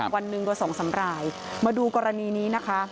วันหนึ่งโดยสองสำรายมาดูกรณีนี้นะคะ